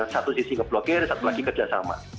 satu sisi ngeblokir satu lagi kerjasama